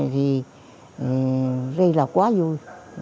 thì ri là quá vui